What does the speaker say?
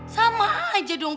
sama aja dong